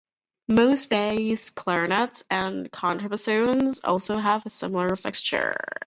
Most bass clarinets and contrabassoons also have a similar fixture.